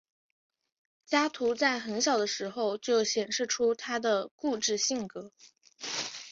加图在很小的时候就显示出他的固执性格。